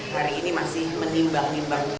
hari ini masih menimbang nimbang